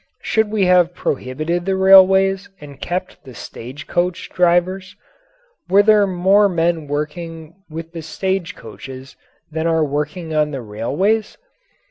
Should we have prohibited the railways and kept the stage coach drivers? Were there more men working with the stage coaches than are working on the railways?